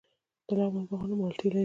د لغمان باغونه مالټې لري.